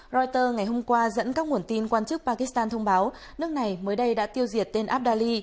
reuters ngày hôm qua dẫn các nguồn tin quan chức pakistan thông báo nước này mới đây đã tiêu diệt tên abdally